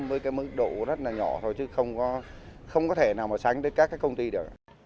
với cái mức độ rất là nhỏ thôi chứ không có thể nào mà sánh với các cái công ty được